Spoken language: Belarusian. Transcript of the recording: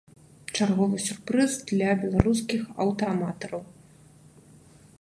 Чарговы сюрпрыз для беларускіх аўтааматараў.